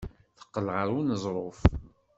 Teqqel ɣer uneẓruf.